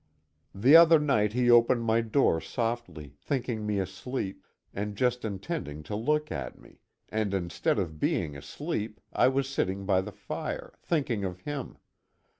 The other night he opened my door softly, thinking me asleep, and just intending to look at me, and instead of being asleep, I was sitting by the fire, thinking of him.